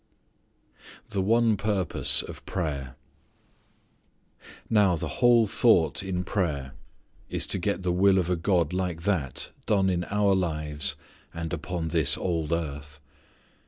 The One Purpose of Prayer. Now, the whole thought in prayer is to get the will of a God like that done in our lives and upon this old earth.